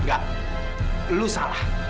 enggak lu salah